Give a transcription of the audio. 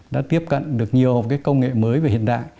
đã tiếp cận được nhiều công nghệ mới và hiện đại